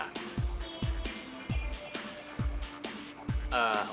aku ingin menikah